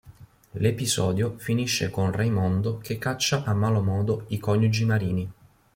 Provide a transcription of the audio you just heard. L'episodio finisce con Raimondo che caccia a malo modo i coniugi Marini.